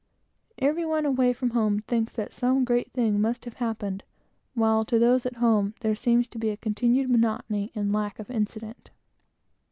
Every one away from home thinks that some great thing must have happened, while to those at home there seems to be a continued monotony and lack of incident.